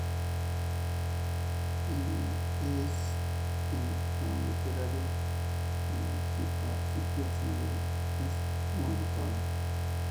Es en el plano literario que el Hipias Mayor es muy notable.